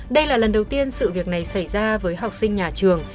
đây là lần đầu tiên sự việc này xảy ra với học sinh nhà trường